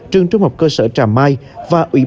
trường trung học cơ sở trà mai